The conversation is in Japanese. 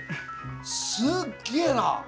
すっげえな！